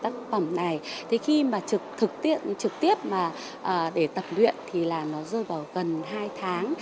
tất cả các tác phẩm này thì khi mà thực tiện trực tiếp mà để tập luyện thì là nó rơi vào gần hai tháng